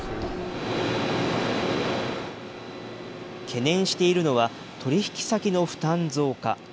懸念しているのは、取り引き先の負担増加。